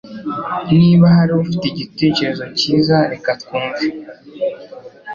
Niba hari ufite igitekerezo cyiza reka twumve